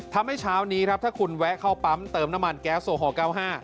เช้านี้ครับถ้าคุณแวะเข้าปั๊มเติมน้ำมันแก๊สโอฮอล๙๕